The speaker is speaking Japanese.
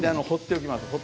放っておきます。